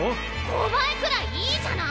小バエくらいいいじゃない！